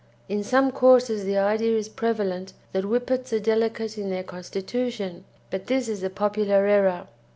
In some quarters the idea is prevalent that Whippets are delicate in their constitution, but this is a popular error.